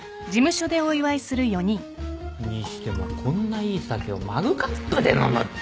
にしてもこんないい酒をマグカップで飲むって。